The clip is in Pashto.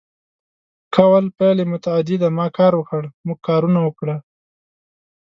کول فعل متعدي دی ما کار وکړ ، موږ کارونه وکړ